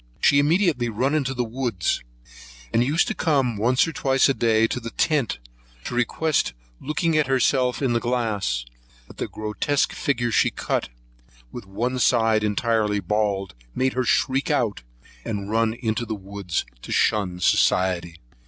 She immediately run into the woods, and used to come once or twice a day to the tent, to request looking at herself in the glass; but the grotesque figure she cut, with one side entirely bald, made her shriek out, and run into the woods to shun society.